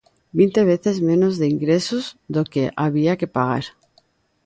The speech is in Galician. Vinte veces menos de ingresos do que había que pagar.